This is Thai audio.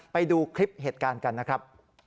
ไปดูคลิปเหตุการณ์กันนะครับ